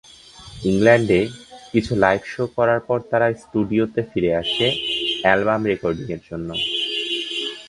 ইংল্যান্ড-এ কিছু live show করার পর তারা স্টুডিওতে ফিরে আসে অ্যালবাম রেকর্ডিংয়ের জন্য।